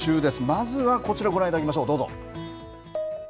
まずはこちらご覧いただきましょう、どうぞ。